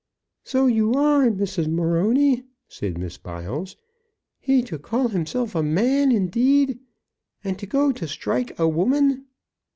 "So you are, Mrs. Morony," said Miss Biles. "He to call himself a man indeed, and to go to strike a woman!"